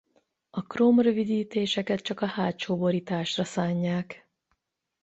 A króm rövidítéseket csak a hátsó borításra szánják.